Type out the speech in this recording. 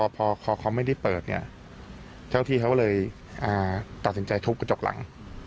พอคอเขาไม่ได้เปิดเนี่ยเจ้าที่เขาเลยตัดสินใจทุบกระจกหลัง